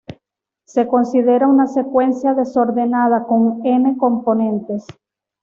Se considera una secuencia desordenada con N componentes.